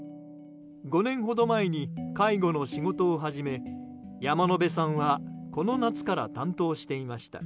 ５年ほど前に介護の仕事を始め山野辺さんはこの夏から担当していました。